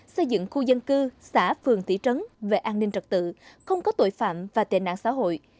xây dựng khu dân cư xã phường thị trấn về an ninh trật tự không có tội phạm và tệ nạn xã hội